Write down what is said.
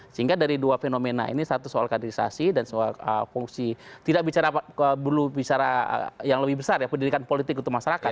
sehingga dari dua fenomena ini satu soal kaderisasi dan fungsi tidak bicara yang lebih besar ya pendidikan politik untuk masyarakat